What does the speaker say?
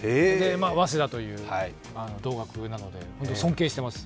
早稲田という同学なので尊敬しています。